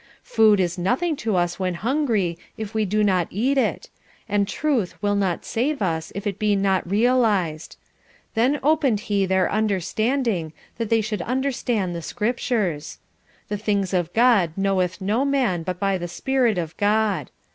Food is nothing to us when hungry if we do not eat it, and truth will not save us if it be not realised. 'Then opened he their understanding that they should understand the Scriptures.' 'The things of God knoweth no man but by the Spirit of God.'